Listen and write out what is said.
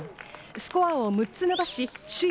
スコアを６つ伸ばし首位